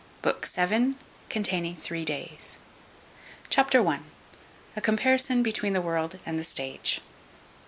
BOOK VII. CONTAINING THREE DAYS. Chapter i. A comparison between the world and the stage.